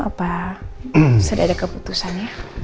apa sudah ada keputusan ya